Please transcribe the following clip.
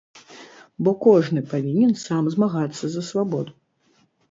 Бо кожны павінен сам змагацца за свабоду.